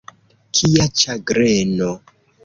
Kia ĉagreno!